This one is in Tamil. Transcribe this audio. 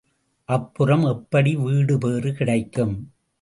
அப்புறம் எப்படி வீடுபேறு கிடைக்கும்?